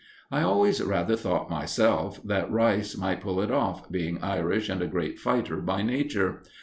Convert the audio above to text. I always rather thought myself that Rice might pull it off, being Irish and a great fighter by nature.